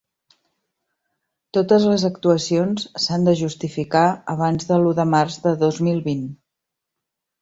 Totes les actuacions s'han de justificar abans de l'u de març del dos mil vint.